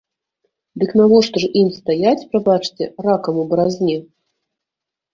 Дык навошта ж ім стаяць, прабачце, ракам у баразне?